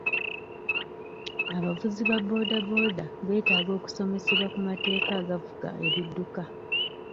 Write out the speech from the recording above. Abavuzi ba booda booda beetaaga okusomesebwa ku mateeka agafuga ebidduka.